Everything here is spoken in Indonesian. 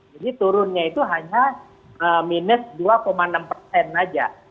jadi turunnya itu hanya minus dua enam persen aja